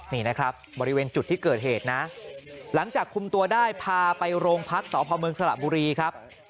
นี่นะครับบริเวณจุดที่เกิดเหตุนะหลังจากคุมตัวได้พาไปโรงพักสพเมืองสระบุรีครับ